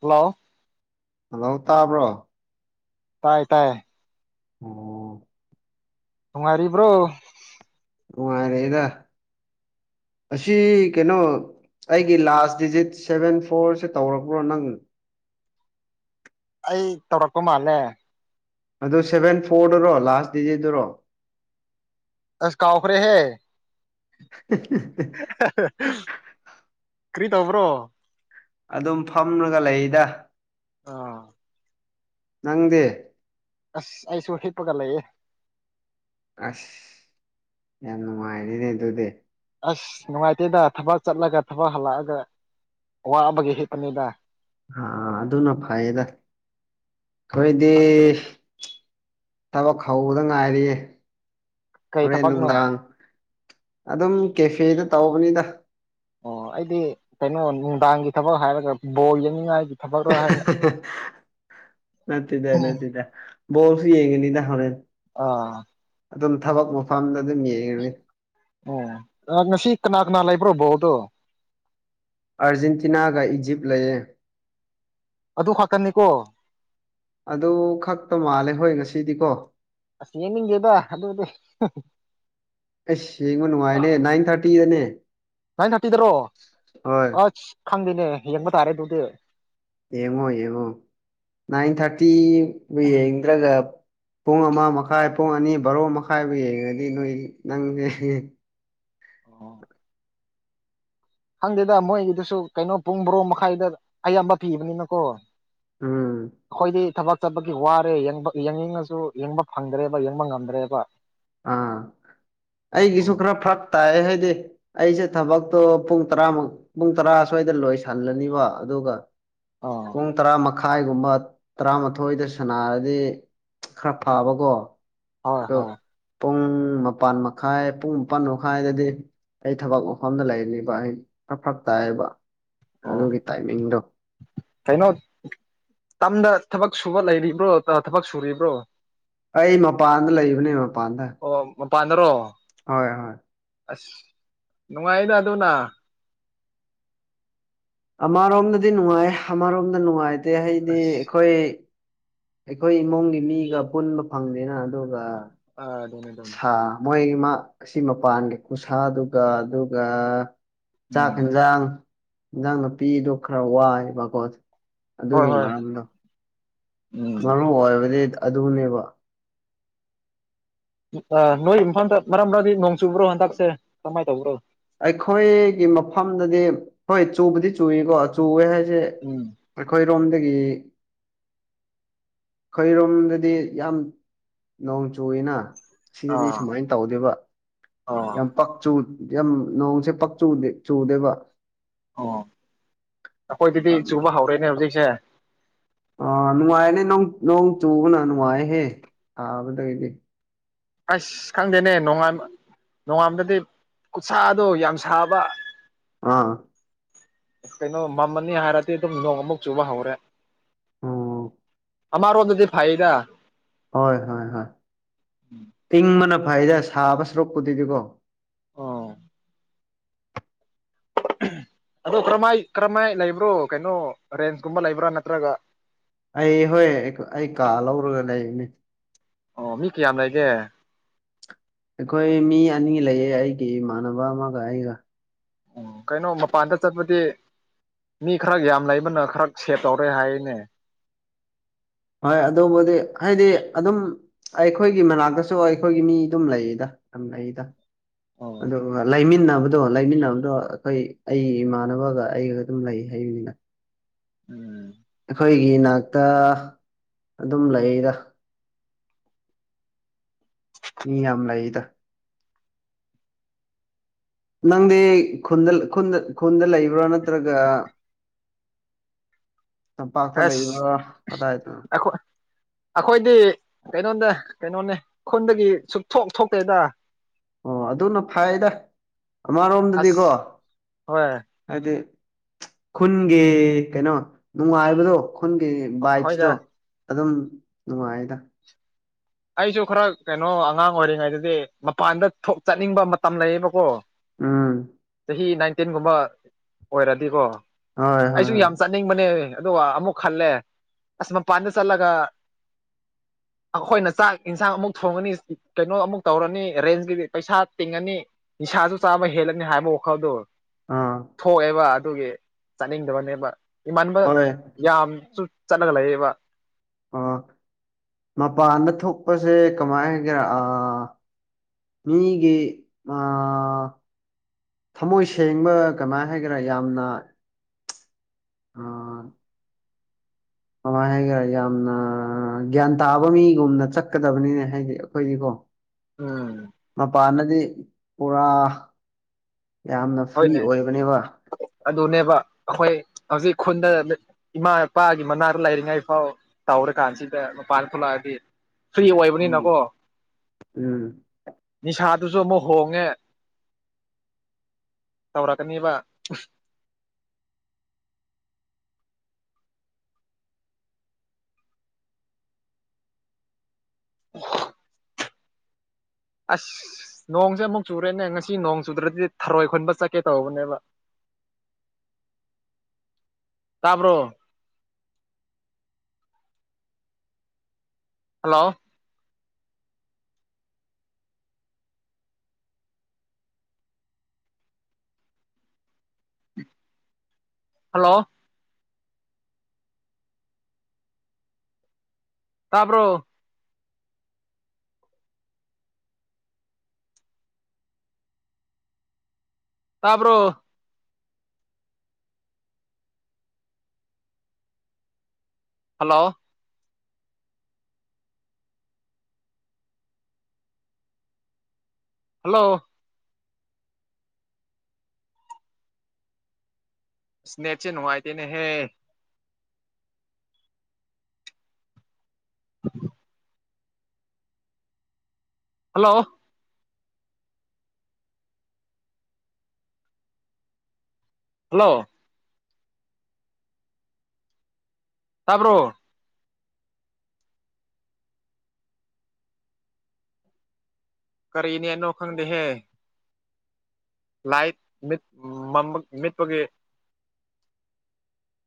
ꯍꯜꯂꯣꯎ ꯍꯜꯂꯣꯎ ꯇꯥꯕ꯭ꯔꯣ ꯇꯥꯏ-ꯇꯥꯏꯌꯦ ꯑꯣꯑꯣ ꯅꯨꯡꯉꯥꯢꯔꯤꯕ꯭ꯔꯣ ꯅꯨꯡꯉꯥꯏꯔꯤꯗꯥ ꯑꯥꯁꯤ ꯀꯩꯅꯣ ꯑꯩꯒꯤ ꯂꯥꯠꯁ ꯗꯤꯖꯤꯠ ꯁꯦꯚꯦꯟ ꯐꯣꯔꯁꯦ ꯇꯧꯔꯛꯄ꯭ꯔꯣ ꯅꯪ ꯑꯩꯏ ꯇꯧꯔꯛꯄ ꯃꯥꯜꯂꯦ ꯑꯗꯨ ꯁꯚꯦꯟ ꯐꯣꯔꯗꯨꯔꯣ ꯂꯥꯁ ꯗꯤꯖꯤꯠꯇꯨꯔꯣ ꯑꯁ ꯀꯥꯎꯈꯔꯦ ꯍꯦ ꯀ꯭ꯔꯤ ꯇꯧꯕ꯭ꯔꯣ ꯑꯗꯨꯝ ꯐꯝꯂꯒ ꯂꯩꯗ ꯑꯥ ꯅꯪꯗꯤ ꯑꯁ ꯑꯩꯁꯨ ꯍꯤꯞꯄꯒ ꯂꯩꯌꯦ ꯑꯁ ꯌꯥꯝ ꯅꯨꯡꯉꯥꯏꯔꯤꯅꯦ ꯑꯗꯨꯗꯤ ꯑꯁ ꯅꯨꯡꯉꯥꯏꯇꯦꯗ ꯊꯕꯛ ꯆꯠꯂꯒ ꯊꯕꯛ ꯍꯜꯂꯛꯑꯒ ꯑꯋꯥꯕꯒꯤ ꯍꯤꯞꯄꯅꯤꯗ ꯑꯥ ꯑꯗꯨꯅ ꯐꯩꯌꯦꯗ ꯑꯩꯈꯣꯏꯗꯤ ꯈꯪꯗ꯭ꯔꯦ ꯊꯕꯛ ꯍꯧꯕꯗ ꯉꯥꯏꯔꯤꯌꯦ ꯀꯩ ꯍꯣꯔꯦꯟ ꯊꯕꯛꯅꯣ ꯅꯨꯡꯗꯥꯡ ꯑꯗꯨꯝ ꯀꯦꯐꯦꯗ ꯇꯧꯕꯅꯤꯗ ꯑꯣ ꯑꯩꯗꯤ ꯀꯩꯅꯣ ꯅꯨꯡꯗꯥꯡꯒꯤ ꯊꯕꯛ ꯍꯥꯏꯔꯒ ꯕꯣꯜ ꯌꯦꯡꯅꯤꯡꯉꯥꯏꯒꯤ ꯊꯕꯛꯔ ꯍꯥꯏꯅ [unintelligible] ꯅꯠꯇꯗ ꯎꯝ ꯅꯠꯇꯗ ꯕꯣꯜꯁꯨ ꯌꯦꯒꯅꯤꯗ ꯍꯣꯔꯦꯟ ꯑꯥ ꯑꯗꯨꯝ ꯊꯕꯛ ꯃꯐꯝꯗ ꯑꯗꯨꯝ ꯌꯦꯡꯉꯅꯤ ꯑꯣ ꯑꯥ ꯉꯁꯤ ꯀꯅꯥ ꯀꯅꯥ ꯂꯩꯕ꯭ꯔꯣ ꯕꯣꯜꯗꯣ ꯑꯥꯔꯖꯦꯟꯇꯤꯅꯥꯒ ꯏꯖꯤꯞ ꯂꯩꯌꯦ ꯑꯗꯨ ꯈꯛꯇ ꯅꯦꯀꯣ ꯑꯗꯨ ꯈꯛꯇ ꯃꯥꯜꯂꯦ ꯍꯣꯏ ꯉꯁꯤꯗꯤꯀꯣ ꯑꯁ ꯌꯦꯡꯅꯤꯡꯗꯦꯗ ꯑꯗꯨꯗꯤ ꯑꯁ ꯌꯦꯕꯅꯨꯡꯉꯥꯏꯅꯦ ꯅꯥꯏꯟ ꯊꯥꯔꯇꯤꯗꯅꯦ ꯅꯥꯏꯟ ꯊꯥꯔꯇꯤꯗꯔꯣ ꯍꯣꯏ ꯑꯁ ꯈꯪꯗꯦꯅꯦ ꯌꯦꯡꯕ ꯇꯥꯔꯦ ꯑꯗꯨꯗꯤ ꯌꯦꯡꯉꯣ ꯌꯦꯡꯉꯣ ꯅꯥꯏꯟ ꯊꯥꯔꯇꯤꯕꯨ ꯌꯦꯡꯗ꯭ꯔꯒ ꯄꯨꯡ ꯑꯃ ꯃꯈꯥꯏ ꯄꯨꯡ ꯑꯅꯤ ꯕꯥꯔꯣ ꯃꯈꯥꯏꯕꯨ ꯌꯦꯡꯉꯗꯤ ꯅꯣꯏ ꯅꯪꯁꯦ ꯍꯦꯍꯦ ꯑꯣ ꯈꯪꯗꯦꯗ ꯃꯣꯏꯒꯤꯗꯨꯁꯨ ꯀꯩꯅꯣ ꯄꯨꯡ ꯕꯣꯔꯣ ꯃꯈꯥꯏꯗ ꯑꯌꯥꯝꯕ ꯄꯤꯕꯅꯤꯅꯀꯣ ꯎꯝ ꯑꯩꯈꯣꯏꯗꯤ ꯊꯕꯛ ꯆꯠꯄꯒꯤ ꯋꯥꯔꯦ ꯌꯦꯡꯕ ꯌꯦꯡꯅꯤꯡꯉꯁꯨ ꯌꯦꯡꯕ ꯐꯪꯗ꯭ꯔꯦꯕ ꯌꯦꯡꯕ ꯉꯝꯗ꯭ꯔꯦꯕ ꯑꯥ ꯑꯩꯒꯤꯁꯨ ꯈꯔ ꯐꯠ ꯇꯥꯏ ꯍꯥꯏꯗꯤ ꯑꯩꯁꯦ ꯊꯕꯛꯇꯣ ꯄꯨꯡ ꯇꯔꯥꯃꯨꯛ ꯄꯨꯡ ꯇꯔꯥ ꯁ꯭ꯋꯥꯏꯗ ꯂꯣꯏꯁꯜꯂꯅꯤꯕ ꯑꯗꯨꯒ ꯑꯥ ꯄꯨꯡ ꯇꯔꯥ ꯃꯛ ꯃꯈꯥꯏꯒꯨꯝꯕ ꯇꯔꯥꯃꯥꯊꯣꯏꯗ ꯁꯅꯥꯔꯗꯤ ꯈꯔ ꯐꯕꯀꯣ ꯍꯣꯏ ꯑꯗꯣ ꯍꯣꯏ ꯄꯨꯡ ꯃꯄꯥꯟ ꯃꯈꯥꯏ ꯄꯨꯡ ꯃꯄꯥꯟ ꯃꯈꯥꯏꯗꯗꯤ ꯑꯩ ꯊꯕꯛ ꯃꯐꯝꯗ ꯂꯩꯅꯤꯕ ꯑꯩ ꯐꯛ ꯐꯛ ꯇꯥꯏꯕ ꯑꯣ ꯀꯩꯅꯣ ꯇꯝꯗ ꯊꯕꯛ ꯁꯨꯕ ꯂꯩꯔꯤꯕ꯭ꯔꯣ ꯑꯥ ꯊꯕꯛ ꯁꯨꯔꯤꯕ꯭ꯔꯣ ꯑꯩ ꯃꯄꯥꯟꯗ ꯂꯩꯕꯅꯦ ꯑꯥ ꯑꯣ ꯃꯄꯥꯟꯗꯔꯣ ꯍꯣꯏ ꯍꯣꯏ ꯑꯁ ꯅꯨꯡꯉꯥꯏꯅ ꯑꯗꯨꯅ ꯑꯃꯔꯣꯝꯗꯗꯤ ꯅꯨꯡꯉꯥꯏꯌꯦ ꯑꯃꯔꯣꯝꯗ ꯅꯨꯡꯉꯥꯏꯇꯦ ꯍꯥꯏꯗꯤ ꯑꯁ ꯑꯩꯈꯣꯏ ꯑꯩꯈꯣꯏ ꯏꯃꯨꯡꯒꯤ ꯃꯤꯒ ꯄꯨꯟꯕ ꯐꯪꯗꯦꯅ ꯑꯗꯨꯒ ꯁꯥ [unintelligible] ꯃꯣꯏ ꯃꯥ ꯑꯁꯤ ꯃꯄꯥꯟꯒꯤ ꯈꯨꯁꯥꯗꯨꯒ ꯑꯗꯨꯒ ꯆꯥꯛ ꯎꯝ ꯍꯦꯟꯖꯥꯡ ꯏꯟꯖꯥꯡ ꯅꯥꯄꯤꯗꯣ ꯈꯔ ꯋꯥꯏꯕꯀꯣ ꯍꯣꯏ ꯑꯗꯨꯒꯤ ꯍꯣꯏ ꯃꯔꯝꯗꯣ ꯎꯝ ꯃꯔꯨ ꯑꯣꯏꯕꯗꯤ ꯑꯗꯨꯅꯦꯕ ꯎ ꯑ ꯅꯣꯏ ꯃꯐꯝꯗ ꯃꯔꯛ ꯃꯔꯗꯤ ꯅꯣꯡ ꯆꯨꯕ꯭ꯔꯣ ꯍꯟꯗꯛꯁꯦ ꯀꯃꯥꯏ ꯇꯧꯕ꯭ꯔꯣ ꯑꯩꯈꯣꯏꯒꯤ ꯃꯐꯝꯗꯗꯤ ꯍꯣꯏ ꯆꯨꯕꯗꯤ ꯆꯨꯏꯀꯣ ꯆꯨꯋꯦ ꯍꯥꯏ ꯁꯦ ꯎꯝ ꯑꯩꯈꯣꯏꯔꯣꯝꯗꯒꯤ ꯈꯣꯏꯔꯣꯝꯗꯗꯤ ꯌꯥꯝ ꯅꯣꯡ ꯆꯨꯌꯦꯅ ꯁꯤꯗꯗꯤ ꯑꯥ ꯁꯨꯃꯥꯏꯅ ꯇꯧꯗꯦꯕ ꯑꯥ ꯌꯥꯝ ꯄꯛꯆꯨ ꯌꯥꯝ ꯅꯣꯡꯁꯦ ꯄꯛ ꯆꯨ ꯆꯨꯗꯦꯕ ꯑꯣ ꯑꯩꯈꯣꯏꯗꯗꯤ ꯆꯨꯕ ꯍꯧꯔꯦꯅꯦ ꯍꯧꯖꯤꯛꯁꯦ ꯑꯥ ꯅꯨꯡꯉꯥꯏꯔꯅꯤ ꯅꯣꯡ ꯆꯨꯕꯅ ꯅꯨꯡꯉꯥꯏꯍꯦ ꯁꯥꯕꯗꯒꯤꯗꯤ ꯑꯁ ꯈꯪꯗꯦꯅꯦ ꯅꯣꯉꯥꯟ ꯅꯣꯡꯉꯥꯟꯕꯗꯩ ꯈꯨꯠꯁꯥꯗꯣ ꯌꯥꯝ ꯁꯥꯕ ꯑꯥ ꯀꯩꯅꯣ ꯃꯜꯃꯅꯤ ꯍꯥꯏꯔꯗꯤ ꯑꯗꯨꯝ ꯅꯣꯡ ꯃꯨꯛ ꯆꯨꯕ ꯍꯧꯔꯦ ꯑꯣ ꯑꯃꯔꯣꯝꯗꯗꯤ ꯐꯩꯗ ꯍꯣꯏ ꯍꯣꯏ ꯍꯣꯏ ꯏꯪꯕꯅ ꯐꯩꯗ ꯁꯥꯕ ꯁꯨꯔꯛꯄꯨꯗꯤꯀꯣ ꯑꯣ ꯑꯗꯣ ꯀꯔꯝꯍꯥꯏ ꯀꯔꯝꯍꯥꯏ ꯂꯩꯕ꯭ꯔꯣ ꯀꯩꯅꯣ ꯔꯦꯟꯀꯨꯝꯕ ꯂꯩꯕ꯭ꯔꯥ ꯅꯠꯇ꯭ꯔꯒ ꯑꯩ ꯍꯣꯏ ꯑꯩ ꯀꯥ ꯂꯧꯔꯒ ꯂꯩꯕꯅꯤ ꯑꯣ ꯃꯤ ꯀꯌꯥꯝ ꯂꯩꯒꯦ ꯑꯩꯈꯣꯏ ꯃꯤ ꯑꯅꯤ ꯂꯩꯌꯦ ꯑꯩꯒꯤ ꯏꯃꯥꯟꯅꯕ ꯑꯃꯒ ꯑꯩꯒ ꯑꯣ ꯀꯩꯅꯣ ꯃꯄꯥꯟꯗ ꯆꯠꯄꯗꯤ ꯃꯤ ꯈꯔ ꯌꯥꯝ ꯂꯩꯕꯅ ꯈꯔ ꯁꯦꯞ ꯇꯧꯔꯦ ꯍꯥꯏꯅꯦ ꯍꯣꯏ ꯑꯗꯨꯕꯨꯗꯤ ꯍꯥꯏꯗꯤ ꯑꯗꯨꯝ ꯑꯩꯈꯣꯏꯒꯤ ꯃꯅꯥꯛꯇꯁꯨ ꯑꯩꯈꯣꯏꯒꯤ ꯃꯤ ꯑꯗꯨꯝ ꯂꯩꯌꯦꯗ ꯌꯥꯝ ꯂꯩꯗ ꯑꯣ ꯑꯗꯨꯒ ꯂꯩꯃꯤꯟ ꯂꯩꯃꯤꯟꯅꯕꯗꯣ ꯂꯩꯃꯤꯟꯅꯕꯗꯣ ꯑꯩꯈꯣꯏ ꯑꯩꯒꯤ ꯏꯃꯥꯟꯅꯕꯒ ꯑꯩꯒ ꯑꯗꯨꯝ ꯂꯩ ꯍꯥꯏꯕꯅꯤꯅ ꯎꯝ ꯑꯩꯈꯣꯏꯒꯤ ꯅꯥꯛꯇ ꯑꯗꯨꯝ ꯂꯩꯗ ꯃꯤ ꯌꯥꯝ ꯂꯩꯗ ꯅꯪꯗꯤ ꯈꯨꯟꯗ ꯈꯨꯟꯗ ꯈꯨꯟꯗ ꯂꯩꯕ꯭ꯔꯥ ꯅꯠꯇ꯭ꯔꯒ [unintelligible] ꯇꯝꯄꯥꯛꯇ ꯑꯁ ꯂꯩꯕꯔꯣ ꯀꯗꯥꯏꯗꯅꯣ ꯑꯩꯈꯣꯏ ꯑꯩꯈꯣꯏꯗꯤ ꯀꯩꯅꯣꯅꯦ ꯀꯩꯅꯣꯅꯦ ꯈꯨꯟꯗꯒꯤ ꯁꯨꯛ ꯊꯣꯛ ꯊꯣꯛꯇꯦꯗ ꯑꯣ ꯑꯗꯨꯅ ꯐꯩꯗ ꯑꯁ ꯑꯃꯔꯣꯝꯗꯗꯤꯀꯣ ꯍꯣꯏ ꯍꯥꯏꯗꯤ ꯈꯨꯟꯒꯤ ꯅꯨꯪꯉꯥꯏꯕꯥꯗꯣ ꯀꯩꯅꯣ ꯈꯨꯟꯒꯤ ꯍꯣꯏꯗ ꯕꯥꯏꯞꯁꯗꯣ ꯑꯗꯨꯝ ꯅꯨꯡꯉꯥꯏꯗ ꯑꯩꯁꯨ ꯈꯔ ꯀꯩꯅꯣ ꯑꯉꯥꯡ ꯑꯣꯏꯔꯤꯉꯩꯗꯗꯤ ꯃꯄꯥꯟꯗ ꯊꯣꯛ ꯆꯠꯅꯤꯡꯕ ꯃꯇꯝ ꯂꯩꯌꯦꯕꯀꯣ ꯎꯝ ꯆꯍꯤ ꯅꯥꯏꯟꯇꯤꯟꯒꯨꯝꯕ ꯑꯣꯏꯔꯗꯤꯀꯣ ꯍꯣꯏ ꯍꯣꯏ ꯑꯩꯁꯨ ꯍꯣꯏ ꯌꯥꯝ ꯆꯠꯅꯤꯡꯕꯅꯦ ꯑꯗꯨꯒ ꯑꯃꯨꯛ ꯈꯜꯂꯦ ꯑꯁ ꯃꯄꯥꯟꯗ ꯆꯠꯂꯒ ꯑꯈꯣꯏꯅ ꯆꯥꯛ ꯏꯟꯁꯥꯡ ꯑꯃꯨꯛ ꯊꯣꯡꯉꯅꯤ ꯀꯩꯅꯣ ꯑꯃꯨꯛ ꯇꯧꯔꯅꯤ ꯔꯦꯟꯖꯀꯤ ꯄꯩꯁꯥ ꯇꯤꯡꯉꯅꯤ ꯅꯤꯁꯥꯁꯨ ꯆꯥ ꯆꯕ ꯍꯦꯜꯂꯅꯤ ꯍꯥꯏꯕ ꯋꯥꯈꯜꯗꯨ ꯑꯥ ꯊꯣꯛꯑꯦꯕ ꯑꯗꯨꯒꯤ ꯆꯠꯅꯤꯡꯗꯕꯅꯦꯕ ꯏꯃꯥꯟꯅꯕ ꯍꯣꯏ ꯌꯥꯝꯁꯨ ꯆꯠꯂꯒ ꯂꯩꯌꯦꯕ ꯑꯥ ꯃꯄꯥꯟꯗ ꯊꯣꯛꯄꯁꯦ ꯀꯃꯥꯏ ꯍꯥꯏꯒꯦꯔꯥ ꯑꯥ ꯃꯤꯒꯤ ꯑꯥ ꯊꯃꯣꯏ ꯁꯦꯡꯕ ꯀꯃꯥꯏꯅ ꯍꯥꯏꯒꯦꯔꯥ ꯌꯥꯝꯅ ꯑꯥ [inaudible] ꯍꯥꯏꯈꯔꯦ ꯌꯥꯝꯅ ꯒ꯭ꯌꯥꯟ ꯇꯥꯕ ꯃꯤꯒꯨꯝꯅ ꯆꯠꯀꯗꯕꯅꯤꯅꯦ ꯍꯥꯏꯗꯤ ꯑꯩꯈꯣꯏꯗꯤꯀꯣ ꯎꯝ ꯃꯄꯥꯟꯗꯗꯤ ꯄꯨꯔꯥ ꯌꯥꯝꯅ ꯐ꯭ꯔꯤ ꯍꯣꯏꯅꯦ ꯑꯣꯏꯕꯅꯦꯕ ꯑꯗꯨꯅꯦꯕ ꯑꯩꯈꯣꯏ ꯍꯧꯖꯤꯛ ꯈꯨꯟꯗ ꯏꯃꯥ ꯏꯄꯥꯒꯤ ꯃꯅꯥꯛꯇ ꯂꯩꯥꯏꯔꯤꯉꯩ ꯐꯥꯎ ꯇꯧꯔꯀꯥꯟꯁꯤꯗ ꯃꯄꯥꯟ ꯊꯣꯛꯂꯛꯑꯗꯤ ꯐ꯭ꯔꯤ ꯎꯝ ꯑꯣꯏꯕꯅꯤꯅꯀꯣ ꯎꯝ ꯅꯤꯁꯥ ꯑꯗꯨꯁꯨ ꯑꯃꯨꯛ ꯍꯣꯡꯉꯦ ꯇꯧꯔꯛꯀꯅꯤꯕ [inaudible] ꯑꯁ ꯅꯣꯡꯁꯦ ꯑꯃꯨꯛ ꯆꯨꯔꯦꯅꯦ ꯉꯁꯤ ꯅꯣꯡ ꯆꯨꯗ꯭ꯔꯗꯤ ꯊꯔꯣꯏ ꯈꯨꯟꯕ ꯆꯠꯀꯦ ꯇꯧꯕꯅꯦꯕ ꯇꯥꯕ꯭ꯔꯣ ꯍꯜꯂꯣ ꯍꯜꯂꯣ ꯇꯥꯕ꯭ꯔꯣ ꯇꯥꯕ꯭ꯔꯣ ꯍꯜꯂꯣ ꯍꯜꯂꯣ ꯁꯅꯦꯞꯁꯦ ꯅꯨꯉꯥꯢ ꯇꯦꯅꯦ ꯍꯦ ꯎꯝ ꯍꯜꯂꯣ ꯍꯜꯂꯣ ꯇꯥꯕ꯭ꯔꯣ ꯀꯔꯤ ꯅꯦꯠꯅꯣ ꯈꯪꯗꯦꯍꯦ ꯂꯥꯏꯠ ꯃꯤꯠ ꯃꯥꯝꯄꯒꯤ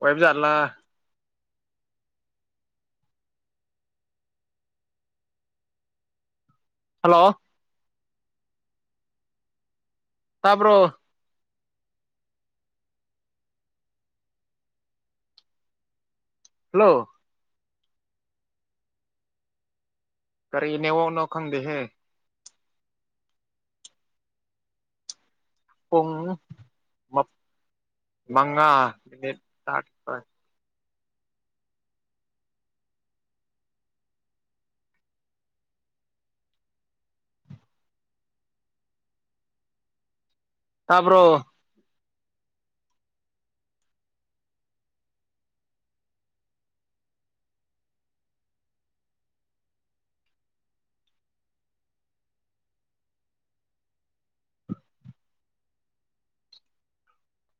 ꯑꯣꯢꯕꯖꯠꯂ ꯍꯜꯂꯣ ꯇꯥꯕꯔꯣ ꯍꯜꯂꯣ ꯀꯔꯤ ꯅꯦꯋꯥꯛ ꯅꯣ ꯈꯪꯗꯦ ꯍꯦ ꯄꯨꯡ ꯃ ꯃꯪꯒꯥꯥ ꯃꯤꯅꯤꯠ ꯆꯄ ꯇꯕꯔꯣ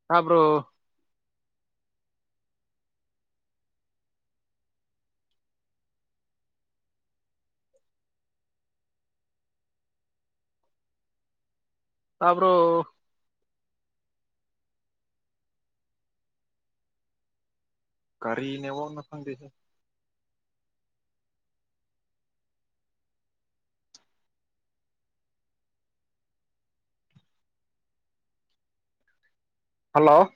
ꯇꯕꯔꯣ ꯇꯕꯔꯣ ꯀꯔꯤ ꯅꯦꯋꯥꯛ ꯅꯣ ꯈꯪꯗꯦꯁꯦ ꯍꯜꯂꯣ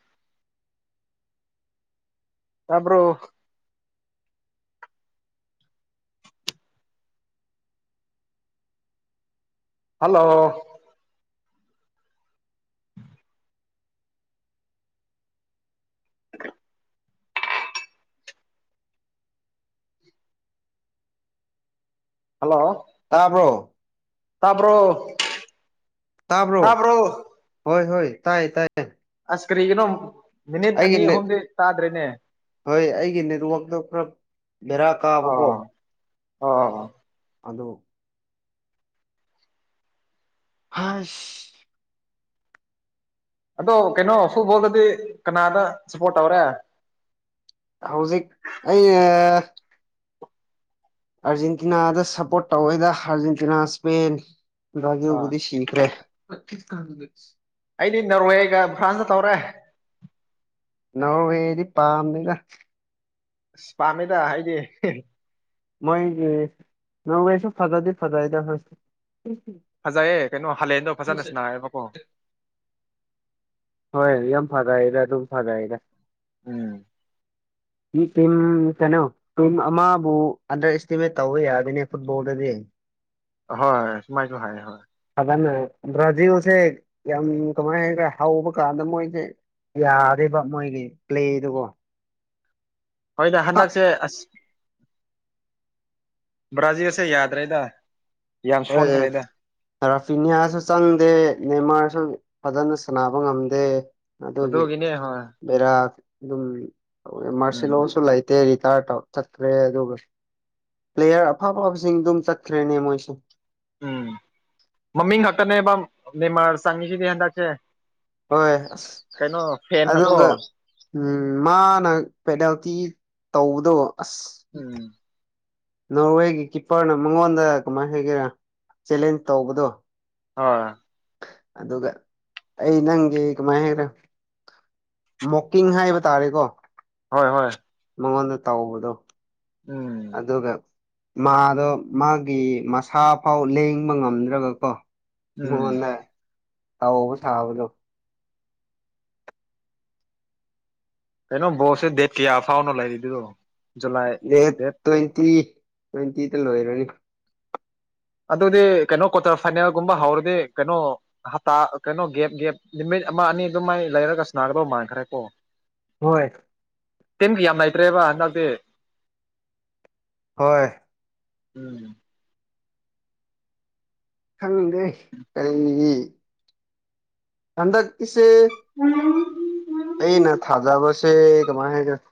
ꯇꯕꯔꯣ ꯍꯜꯂꯣ [inaudible] ꯇꯥꯕ꯭ꯔꯣ ꯇꯄ꯭ꯔꯣ ꯇꯥꯕ꯭ꯔꯣ ꯍꯣꯏ ꯍꯣꯏ ꯇꯥꯏꯌꯦ ꯇꯥꯏꯌꯦ ꯑꯁ ꯀꯔꯤꯒꯤꯅꯣ ꯃꯤꯅꯤꯠ ꯑꯩꯒꯤ ꯑꯅꯤ ꯅꯦꯠ ꯑꯍꯨꯝꯗꯤ ꯇꯥꯗ꯭ꯔꯦꯅꯦ ꯍꯣꯏ ꯑꯩꯒꯤ ꯅꯦꯠꯋꯥꯛꯗꯣ ꯄꯨꯔ ꯕꯦꯔ ꯀꯥꯕꯀꯣ ꯑꯣ ꯑꯣ ꯑꯗꯣ ꯍꯁ ꯑꯗꯣ ꯀꯩꯅꯣ ꯐꯨꯠꯕꯣꯜꯗꯗꯤ ꯀꯅꯥꯗ ꯁꯞꯄꯣꯔꯠ ꯇꯧꯔꯦ ꯍꯧꯖꯤꯛ ꯑꯩ ꯑꯥꯔꯖꯦꯟꯇꯤꯅꯥꯗ ꯁꯞꯄꯣꯔꯠ ꯇꯧꯋꯦꯗ ꯑꯥꯔꯖꯦꯟꯇꯤꯅꯥ ꯏꯁꯄꯦꯟ ꯑꯥ ꯕꯔꯖꯤꯜꯕꯨꯗꯤ ꯁꯤꯈ꯭ꯔꯦ ꯑꯩꯗꯤ ꯅꯣꯔꯋꯦꯒ ꯐ꯭ꯔꯥꯟꯁꯇ ꯇꯧꯔꯦ ꯅꯣꯔꯋꯦꯗꯤ ꯄꯥꯝꯗꯦꯗ ꯑꯁ ꯄꯥꯝꯃꯦꯗ ꯑꯩꯗꯤ ꯃꯣꯏꯒꯤ ꯅꯣꯔꯌꯦꯁꯨ ꯐꯖꯗꯤ ꯐꯖꯩꯗ ꯍꯣꯢꯁꯨ ꯐꯖꯩꯌꯦ ꯀꯩꯅꯣ ꯍꯥꯂꯦꯟꯗꯣ ꯐꯖꯅ ꯁꯟꯅꯩꯌꯦꯕꯀꯣ ꯍꯣꯏ ꯑꯗꯨ ꯌꯥꯝ ꯐꯖꯩꯔ ꯑꯗꯨꯝ ꯐꯅꯩꯔ ꯎꯝ ꯃꯤ ꯇꯤꯝ ꯀꯩꯅꯣ ꯇꯤꯝ ꯑꯃꯕꯨ ꯑꯟꯗꯔ ꯑꯦꯁꯇꯤꯃꯦꯠ ꯇꯧꯕ ꯌꯥꯗꯦꯅꯦ ꯐꯨꯠꯕꯣꯜꯗꯗꯤ ꯍꯣꯏ ꯁꯨꯃꯥꯏꯁꯨ ꯍꯥꯏ ꯍꯣꯏ ꯕ꯭ꯔꯥꯖꯤꯜꯁꯦ ꯌꯥꯝ ꯀꯃꯥꯏ ꯍꯥꯏꯈ꯭ꯔꯦ ꯍꯧꯕ ꯀꯥꯟꯗ ꯃꯣꯏꯁꯦ ꯌꯥꯗꯔꯤꯕ ꯃꯣꯏꯒꯤ ꯄ꯭ꯂꯦꯗꯨꯒꯣ ꯍꯣꯏꯅꯦ ꯍꯟꯗꯛꯁꯦ ꯑꯁ ꯕ꯭ꯔꯥꯖꯤꯜꯁꯦ ꯌꯥꯗ꯭ꯔꯦꯗ ꯌꯥꯝ ꯍꯣꯏ ꯁꯣꯟꯈ꯭ꯔꯦꯗ ꯔꯥꯐꯤꯅꯤꯌꯥꯁꯨ ꯆꯪꯗꯦ ꯅꯦꯃꯔ ꯪ ꯐꯖꯅ ꯁꯥꯟꯅꯕ ꯉꯝꯗꯦ ꯑꯗꯨꯒꯤ ꯑꯗꯨꯒꯤꯅꯦ ꯍꯣꯏ ꯕꯦꯔꯑꯗꯨꯝ ꯎꯝ ꯃꯥꯔꯁꯤꯂꯣꯁꯨ ꯂꯩꯇꯦ ꯇꯥ ꯇ ꯆꯠꯈ꯭ꯔꯦ ꯑꯗꯨꯒ ꯄ꯭ꯂꯦꯌꯔ ꯑꯐ ꯑꯐꯕꯁꯤꯡ ꯑꯗꯨꯝ ꯆꯠꯈ꯭ꯔꯦꯅꯦ ꯃꯣꯏꯁꯦ ꯎꯝ ꯃꯃꯤꯡ ꯉꯇꯅꯕ ꯅꯦꯃꯔ ꯆꯡꯁꯤꯗꯤ ꯍꯟꯇꯛꯁꯦ ꯍꯣꯏ ꯑꯁ ꯐꯦꯟꯅꯀꯣ ꯑꯗꯨꯒ ꯃꯥꯅ ꯄꯦꯅꯥꯜꯇꯤ ꯇꯧꯕꯗꯣ ꯑꯁ ꯎꯝ ꯅꯣꯔꯋꯦꯒꯤ ꯀꯤꯞꯄꯔꯅ ꯃꯉꯣꯟꯗ ꯀꯃꯥꯏꯅ ꯍꯥꯏꯒꯦꯔꯥ ꯆꯦꯂꯦꯟꯖ ꯇꯧꯕꯗꯣ ꯍꯣꯏ ꯑꯗꯨꯒ ꯑꯩ ꯅꯪꯒꯤ ꯀꯃꯥꯏꯅ ꯍꯥꯏꯒꯦꯔꯥ ꯃꯣꯀꯤꯡ ꯍꯥꯏꯕ ꯇꯥꯔꯦꯀꯣ ꯍꯣꯏ ꯍꯣꯏ ꯃꯉꯣꯟꯗ ꯇꯥꯎꯕꯗꯣ ꯎꯝ ꯃꯥꯗꯣ ꯃꯥꯒꯤ ꯃꯁꯥꯐꯥꯎ ꯂꯦꯡꯕ ꯉꯝꯗ꯭ꯔꯒ ꯀꯣ ꯎꯝ ꯑꯗꯨꯒꯅꯦ ꯇꯧꯕ ꯁꯥꯕꯗꯣ ꯀꯩꯅꯣ ꯕꯣꯜꯁꯦ ꯗꯦꯠ ꯀꯌꯥ ꯐꯥꯎꯅꯣ ꯂꯩꯔꯤꯗꯨꯗꯣ ꯗꯦꯠ ꯇ꯭ꯋꯦꯟꯇꯤ ꯇ꯭ꯋꯦꯟꯇꯤꯗ ꯂꯣꯏꯔꯅꯤ ꯑꯗꯨꯗꯤ ꯀꯩꯅꯣ ꯀ꯭ꯋꯥꯇꯔ ꯐꯥꯏꯅꯦꯜꯒꯨꯝꯕ ꯍꯧꯔꯗꯤ ꯀꯩꯅꯣ ꯍꯞꯇꯥ ꯀꯩꯅꯣ ꯒꯦꯞ ꯒꯦꯞ ꯅꯨꯃꯤꯠ ꯑꯃ ꯑꯅꯤ ꯑꯗꯨ ꯃꯥꯏ ꯂꯩꯔꯒ ꯁꯅꯥꯒꯗꯧ ꯃꯥꯟꯈ꯭ꯔꯦ ꯀꯣ ꯍꯣꯏ ꯇꯤꯟꯕꯤ ꯌꯥꯝ ꯂꯩꯇ꯭ꯔꯦꯕ ꯍꯟꯗꯛꯇꯛꯇꯤ ꯍꯣꯏ ꯎꯝ ꯈꯪꯗꯦ ꯀꯔꯤꯅꯤꯒꯤ ꯍꯟꯗꯛ ꯀꯤꯁꯦ ꯍꯨꯝ ꯑꯩꯅ ꯊꯥꯖꯥꯕꯁꯦ ꯀꯃꯥꯏ ꯍꯥꯏꯗꯣꯏꯅꯣ